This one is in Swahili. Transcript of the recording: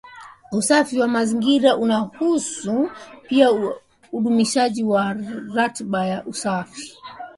Usafi wa mazingira unahusu pia udumishaji wa ratiba ya usafi